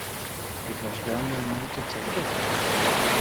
It was wrong in me to take it?